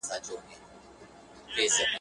د خاوند ماشوم له وېري په ژړا سو.